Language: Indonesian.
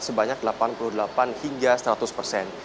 sebanyak delapan puluh delapan hingga seratus persen